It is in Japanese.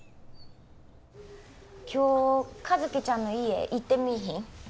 今日和希ちゃんの家行ってみいひん？